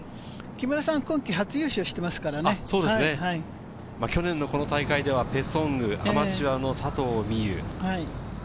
木村さん、今季初優勝し去年のこの大会ではペ・ソンウ、アマチュアの佐藤心結。